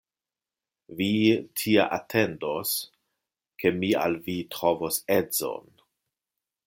Vi tie atendos, ke mi al vi trovos edzon.